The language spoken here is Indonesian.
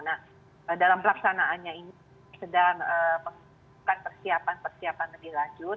nah dalam pelaksanaannya ini sedang memperlukan persiapan persiapan lebih lanjut